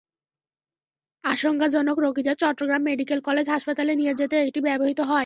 আশঙ্কাজনক রোগীদের Chittagong medical college হাসপাতালে নিয়ে যেতে এটি ব্যবহৃত হয়।